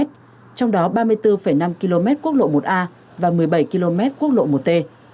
trong đó ba mươi bốn năm km quốc lộ một a và một mươi bảy km quốc lộ một t